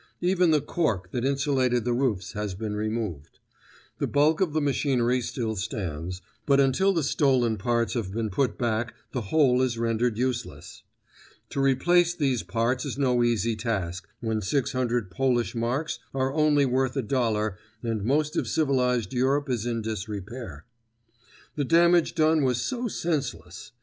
Even the cork that insulated the roofs has been removed. The bulk of the machinery still stands, but until the stolen parts have been put back the whole is rendered useless. To replace these parts is no easy task when six hundred Polish marks are only worth a dollar and most of civilized Europe is in disrepair. The damage done was so senseless.